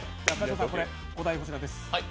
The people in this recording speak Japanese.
お題はこちらです。